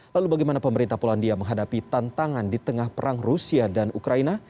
lalu bagaimana pemerintah polandia menghadapi tantangan di tengah perang rusia dan ukraina